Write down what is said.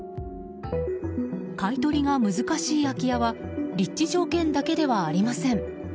買い取りが難しい空き家は立地条件だけではありません。